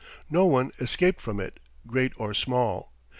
No one escaped from it, great or small.